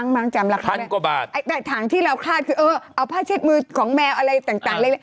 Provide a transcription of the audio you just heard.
มั้งจำละครับแต่ถังที่เราคาดคือเออเอาผ้าเช็ดมือของแมวอะไรต่างเลย